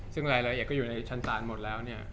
ซึ่งรายละเอียดก็อยู่ในชั้นต่างหมดแล้ว